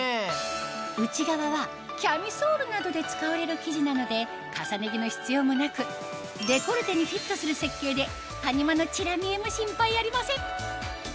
内側はキャミソールなどで使われる生地なので重ね着の必要もなくデコルテにフィットする設計で谷間のチラ見えも心配ありません